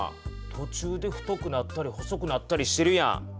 とちゅうで太くなったり細くなったりしてるやん。